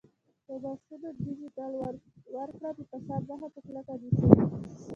د معاشونو ډیجیټل ورکړه د فساد مخه په کلکه نیسي.